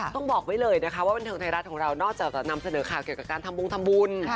ต้องบอกไว้เลยนะคะว่าบันเทิงไทยรัฐของเรานอกจากจะนำเสนอข่าวเกี่ยวกับการทำบงทำบุญ